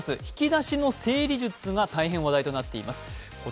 引き出しの整理術が大変話題となっています。